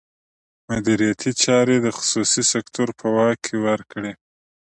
مدیریتي چارې د خصوصي سکتور په واک کې ورکړي.